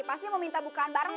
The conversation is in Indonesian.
pasti mau minta bukaan bareng